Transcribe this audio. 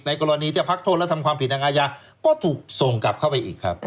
กรณีที่พักโทษและทำความผิดทางอาญาก็ถูกส่งกลับเข้าไปอีกครับ